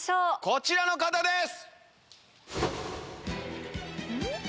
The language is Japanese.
こちらの方です！